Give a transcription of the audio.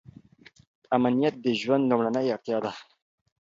امنیت د ژوند لومړنۍ اړتیا ده.